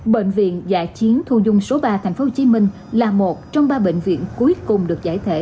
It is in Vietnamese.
bệnh viện dạ chiến thu dung số ba tp hcm là một trong ba bệnh viện cuối cùng được giải thể